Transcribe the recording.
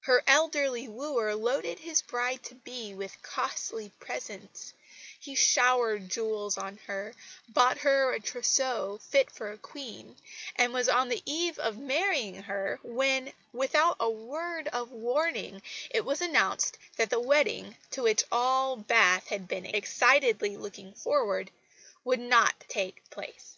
Her elderly wooer loaded his bride to be with costly presents; he showered jewels on her, bought her a trousseau fit for a Queen; and was on the eve of marrying her, when without a word of warning, it was announced that the wedding, to which all Bath had been excitedly looking forward, would not take place!